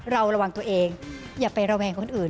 ระวังตัวเองอย่าไประแวงคนอื่น